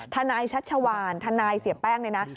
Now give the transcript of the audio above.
ทันนายชัชชวานทันนายเสียแป้งนะ